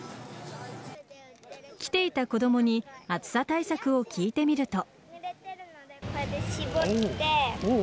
来ていた子供に暑さ対策を聞いてみると。